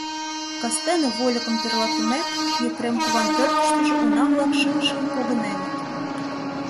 Кастене, вольыкым тӧрлатымек, Епрем куван пӧртыштыжӧ уна-влак шыҥ-шыҥ погыненыт.